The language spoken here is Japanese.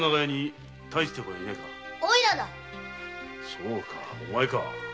そうかお前か。